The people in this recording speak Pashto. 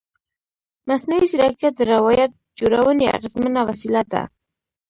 مصنوعي ځیرکتیا د روایت جوړونې اغېزمنه وسیله ده.